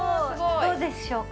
どうでしょうか。